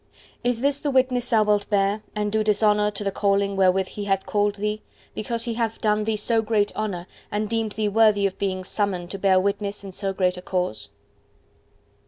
Is this the witness thou wilt bear, and do dishonour to the calling wherewith He hath called thee, because He hath done thee so great honour, and deemed thee worthy of being summoned to bear witness in so great a cause?